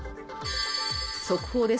速報です